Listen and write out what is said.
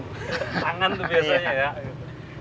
tangan tuh biasanya ya